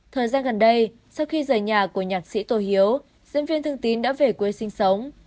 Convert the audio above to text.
thời gian gần đây sau khi rời nhà của nhạc sĩ tô hiếu diễn viên thương tín đã về quê sinh sống